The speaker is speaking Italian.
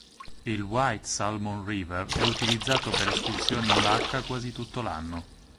Il White Salmon River è utilizzato per escursioni in barca quasi tutto l'anno.